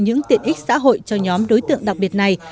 những tiện ích xã hội cho nhóm đối tượng đặc biệt này